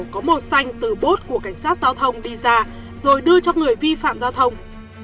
có màu xanh từ bốt của cảnh sát giao thông đi ra rồi đưa cho người vi phạm giao thông